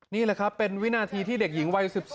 นี่แหละครับเป็นวินาทีที่เด็กหญิงวัย๑๒